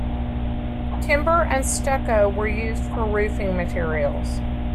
Timber and stucco were used for roofing materials.